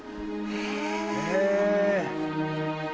へえ。